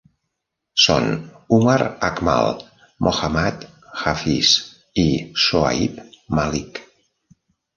Són Umar Akmal, Mohammad Hafeez i Shoaib Malik.